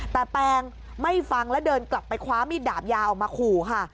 แต่แปงไม่ฟังแล้วเดินกลับไปคว้ามีดดาบยาออกมาขู่ค่ะ